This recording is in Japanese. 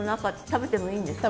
食べてもいいです。